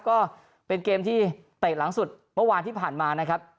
ก็เป็นเกมที่เตะหลังสุดเมื่อวานที่ผ่านมานะครับ